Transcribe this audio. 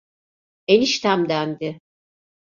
Eniştemdendi.